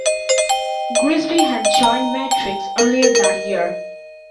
Grigsby had joined Matrix earlier that year.